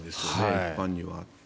一般には。